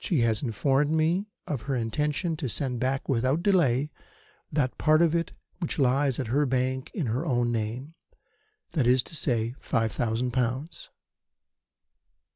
She has informed me of her intention to send back without delay that part of it which lies at her bank in her own name that is to say, five thousand pounds.